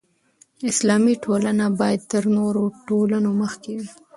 اسلامي ټولنه باید تر نورو ټولنو مخکې وي.